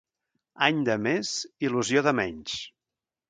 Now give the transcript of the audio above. Any de més, il·lusió de menys.